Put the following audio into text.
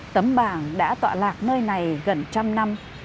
tấm bảng đã tọa lạc nơi này gần trăm năm